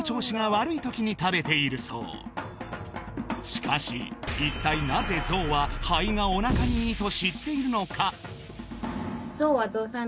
しかし一体なぜ象は灰がおなかにいいと知っているのか？